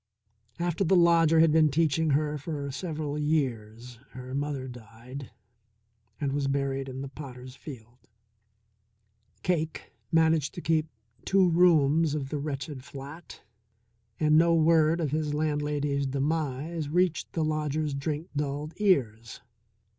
After the lodger had been teaching her for several years her mother died and was buried in the potters' field. Cake managed to keep two rooms of the wretched flat, and no word of his landlady's demise reached the lodger's drink dulled ears.